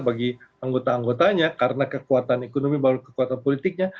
bagi anggota anggotanya karena kekuatan ekonomi baru kekuatan politiknya